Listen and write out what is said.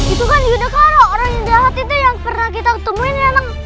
itu kan yudha kala orang jahat itu yang pernah kita ketemuin ya neng